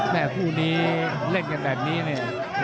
แม่คู่นี้เล่นกันแบบนี้เนี่ย